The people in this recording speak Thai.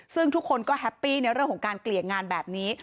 ซึ่งทุกคนก็แฮปปี้ในเรื่องของการเกลี่ยงานแบบนี้